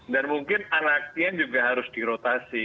dan mungkin anaknya juga harus dirotasi